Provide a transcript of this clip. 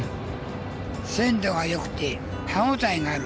鮮度が良くて歯応えがある。